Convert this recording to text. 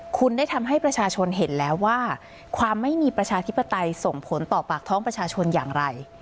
คุณได้ทำให้ประชาชนเห็นแล้วว่าความไม่มีประชาธิปไตยส่งผลต่อปากท้องประชาชนอย่างไร